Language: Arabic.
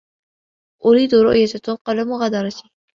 أريد رؤية توم قبل مغادرتي.